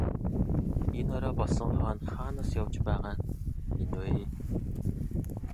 Энэ орой болсон хойно хаанаас явж байгаа нь энэ вэ?